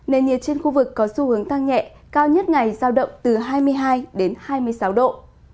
nền nhiệt trên khu vực có xu hướng tăng nhẹ cao nhất ngày giao động từ hai mươi hai đến hai mươi sáu độ